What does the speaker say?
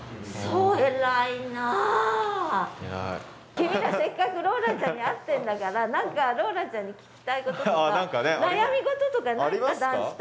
君らせっかくローランちゃんに会ってんだから何かローランちゃんに聞きたいこととかありますか？